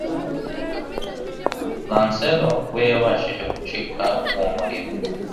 Lancelot we yabashije gucika uwo muriro